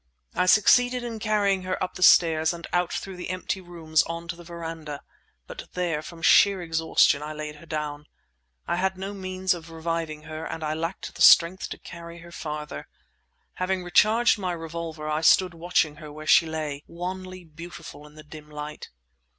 I succeeded in carrying her up the stairs and out through the empty rooms on to the verandah; but there, from sheer exhaustion, I laid her down. I had no means of reviving her and I lacked the strength to carry her farther. Having recharged my revolver, I stood watching her where she lay, wanly beautiful in the dim light.